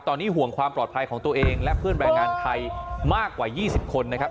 ตอนนี้ห่วงความปลอดภัยของตัวเองและเพื่อนแรงงานไทยมากกว่า๒๐คนนะครับ